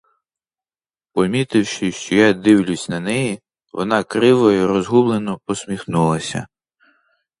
Помітивши, що я дивлюсь на неї, вона криво й розгублено посміхнулася.